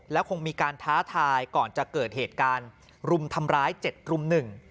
แล้วคงมีการท้าทายก่อนจะเกิดเหตุการณ์รุมทำร้าย๗รุ่มหนึ่ง